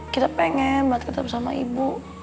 kita pengen banget ketemu sama ibu